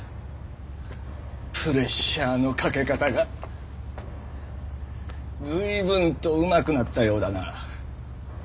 「プレッシャー」のかけ方がずいぶんとうまくなったようだな。